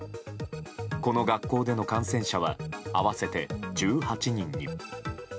この学校での感染者は合わせて１８人に。